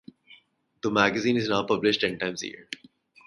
The magazine is now published ten times a year.